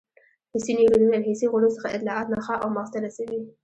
حسي نیورونونه له حسي غړو څخه اطلاعات نخاع او مغز ته رسوي.